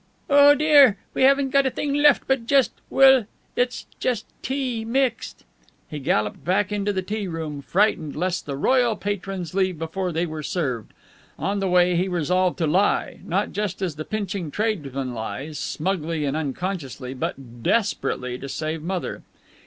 "Oh, dear! we haven't got a thing left but just well, it's just tea, mixed." He galloped back into the tea room, frightened lest the royal patrons leave before they were served. On the way he resolved to lie not as the pinching tradesman lies, smugly and unconsciously, but desperately, to save Mother.